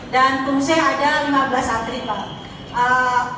dan kumseh ada lima belas atlet pak